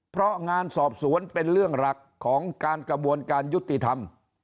เพราะงานสอบสวนเป็นเรื่องหลักของการกระบวนการยุติธรรม